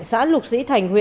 xã lục sĩ thành